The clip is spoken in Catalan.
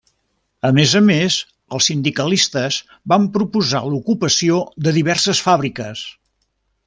A més a més, els sindicalistes van proposar l'ocupació de diverses fàbriques.